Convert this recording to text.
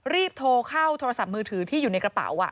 รีบโทรเข้าโทรศัพท์มือถือที่อยู่ในกระเป๋า